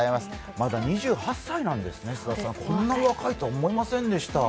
まだ２８歳なんですね、菅田さん、こんな若いと思いませんでした。